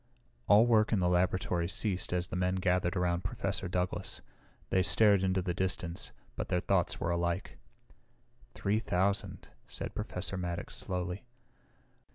All work in the laboratory ceased as the men gathered around Professor Douglas. They stared into the distance, but their thoughts were alike. "Three thousand," said Professor Maddox slowly.